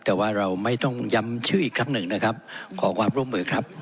แต่ว่าเราไม่ต้องย้ำชื่ออีกครั้งหนึ่งนะครับขอความร่วมมือครับ